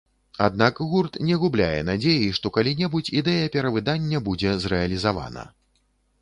Аднак гурт не губляе надзеі, што калі-небудзь ідэя перавыдання будзе зрэалізавана.